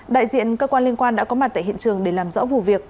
đại diện cơ quan liên quan đã có mặt tại hiện trường để làm rõ vụ việc